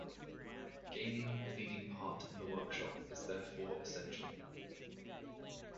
Gaining a leading part in the workshop is therefore essential.